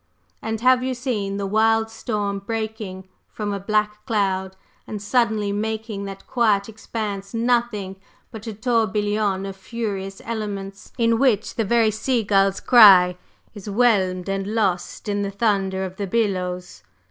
And have you seen the wild storm breaking from a black cloud and suddenly making that quiet expanse nothing but a tourbillon of furious elements, in which the very sea gull's cry is whelmed and lost in the thunder of the billows?